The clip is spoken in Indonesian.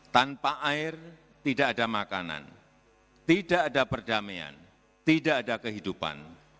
tanpa air tidak ada makanan tidak ada perdamaian tidak ada kehidupan